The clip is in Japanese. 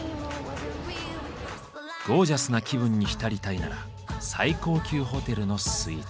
ゴージャスな気分に浸りたいなら最高級ホテルのスイーツ。